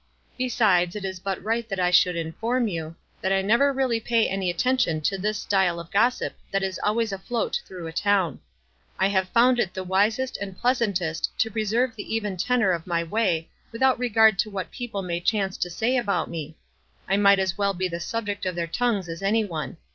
Besides it is but right that 1 should in form you that I never really pay any attention to this style of gossip that is always afloat through a town. I have found it the wisest and pleasantest to preserve the even tenor of my way without regard to what people may chance to say about me. I might as well be the subject of their tongues as any one.